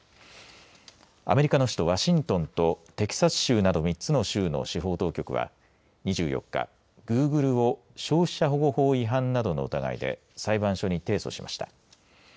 アメリカの首都ワシントンとテキサス州など３つの州の司法当局は２４日グーグルを消費者保護法違反などの疑いで裁判所に提訴しました。